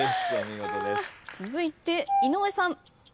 続いて井上さん。